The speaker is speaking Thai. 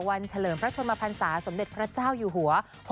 เฉลิมพระชนมพันศาสมเด็จพระเจ้าอยู่หัว